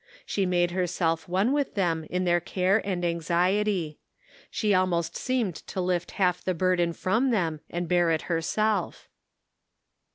She made herself one with them in their care and anx iet}r. She almost seemed to lift half the bur den from them and bear it herself.